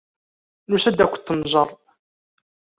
Nusa-d ad kent-nẓer.